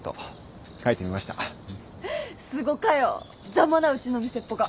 ざまなうちの店っぽか。